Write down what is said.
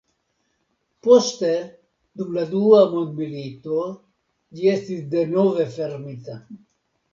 Poste dum la dua mondmilito ĝi estis denove fermita.